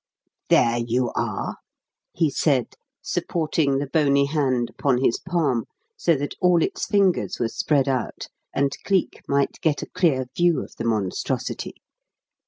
"There you are," he said, supporting the bony hand upon his palm, so that all its fingers were spread out and Cleek might get a clear view of the monstrosity.